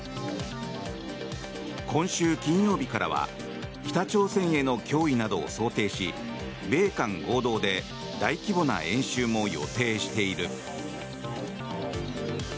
今週金曜日からは北朝鮮への脅威などを想定し米韓合同で大規模な演習も予定している。